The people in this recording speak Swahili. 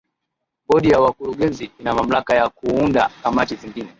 bodi ya wakurugenzi ina mamlaka ya kuunda kamati zingine